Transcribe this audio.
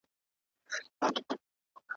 ژبه هم مور ده.